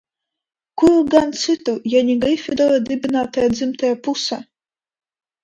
Kur gan citur, ja ne Grifidora dibinātāja dzimtajā pusē?